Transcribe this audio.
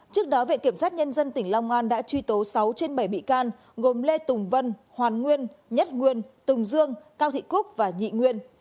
trước đó viện kiểm sát nhân dân tỉnh long an đã truy tố sáu trên bảy bị can gồm lê tùng vân hoàn nguyên nhất nguyên tùng dương cao thị cúc và nhị nguyên